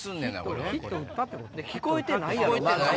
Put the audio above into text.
聞こえてないやろ。